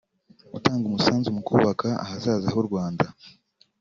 gutanga umusanzu mu kubaka ahazaza h’u Rwanda